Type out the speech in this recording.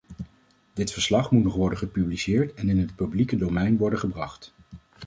Dit verslag moet nog worden gepubliceerd en in het publieke domein worden gebracht.